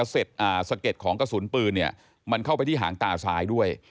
สะเก็ดของกระสุนปืนมันเข้าไปที่หางตาซ้ายด้วย